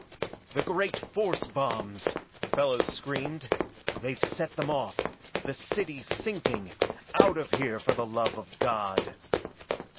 "The great force bombs!" Fellows screamed. "They've set them off the city's sinking out of here, for the love of God!"